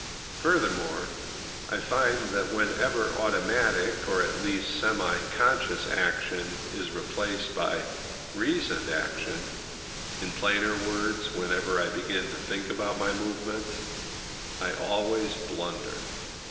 Furthermore, I find that whenever automatic, or at least semi conscious, action is replaced by reasoned action—in plainer words, whenever I begin to think about my movements—I always blunder.